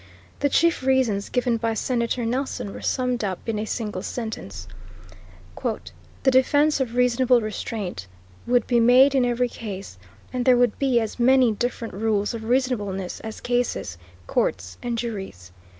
The chief reasons given by Senator Nelson were summed up in a single sentence: "The defence of reasonable restraint would be made in every case and there would be as many different rules of reasonableness as cases, courts, and juries....